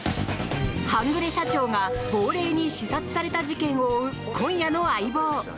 半グレ社長が亡霊に刺殺された事件を追う今夜の「相棒」。